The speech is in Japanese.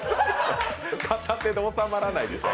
片手で収まらないでしょ。